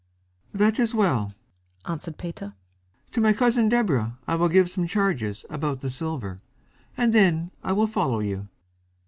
"That is well," answered Peter. "To my Cousin Deborah I will give some charges about the silver, and then I will follow you."